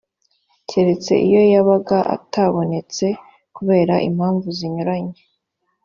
keretse iyo yabaga atabonetse kubera impamvu zinyuranye